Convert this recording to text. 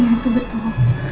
ya itu betul